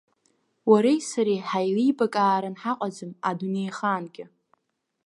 Уареи сареи ҳаилибакааран ҳаҟаӡам адунеихаангьы.